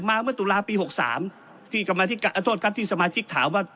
มาเมื่อตุลาปีหกสามที่กำลังที่กะอาทธวดครับที่สมาชิกถามว่า